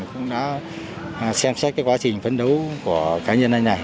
cũng đã xem xét cái quá trình phấn đấu của cá nhân anh này